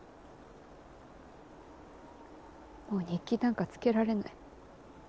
もう日記なんかつけられない。